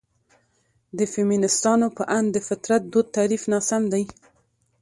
د فيمنستانو په اند: ''...د فطرت دود تعريف ناسم دى.